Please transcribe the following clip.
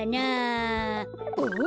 おお？